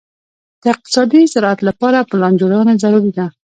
د اقتصادي زراعت لپاره پلان جوړونه ضروري ده.